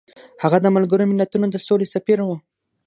هغه د ملګرو ملتونو د سولې سفیر و.